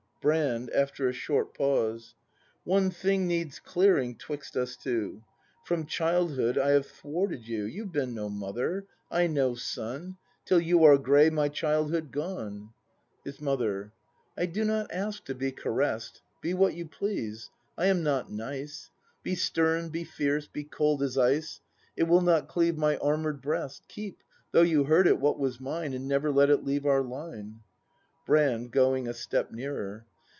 Brand. [After a short 'pause l\ One thing needs clearing 'twixt us two. From childhood I have thwarted you; — You've been no mother, I no son, Till you are gray, my childhood gone. ACT II] BRAND His Mother. I do not ask to be caress'd. Be what you please; I am not nice. Be stern, be fierce, be cold as ice, It will not cleave my armour'd breast; Keep, though you hoard it, what was mine, And never let it leave our line! Brand. [Goi7ig a step nearer.